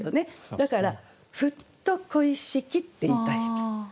だから「ふっと恋しき」って言いたい。